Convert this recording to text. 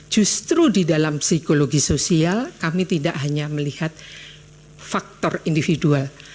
justru di dalam psikologi sosial kami tidak hanya melihat faktor individual